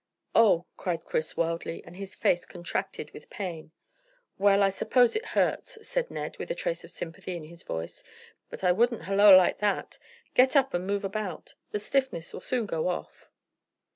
"Oh!" cried Chris wildly, and his face contracted with pain. "Well, I suppose it hurts," said Ned, with a trace of sympathy in his voice, "but I wouldn't holloa like that. Get up and move about, the stiffness will soon go off."